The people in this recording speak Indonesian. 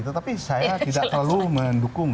tetapi saya tidak terlalu mendukung